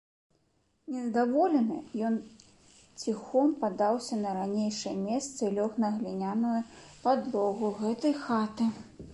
Нездаволены, ён ціхом падаўся на ранейшае месца і лёг на гліняную падлогу гэтай хаты.